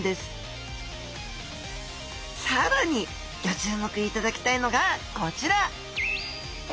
更にギョ注目いただきたいのがこちら！